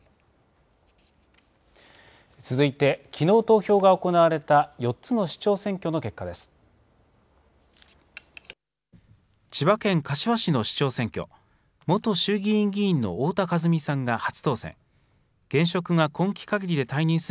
続いてきのう投票が行われた４つの市長選挙の結果です。